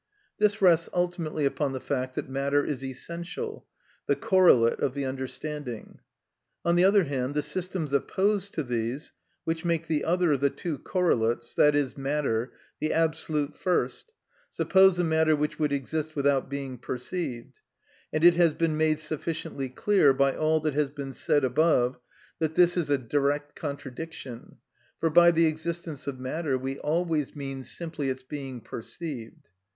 This rests ultimately upon the fact that matter is essential, the correlate of the understanding. On the other hand, the systems opposed to these, which make the other of the two correlates, that is, matter, the absolute First, suppose a matter which would exist without being perceived; and it has been made sufficiently clear by all that has been said above that this is a direct contradiction, for by the existence of matter we always mean simply its being perceived.